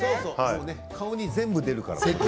顔に全部出るから。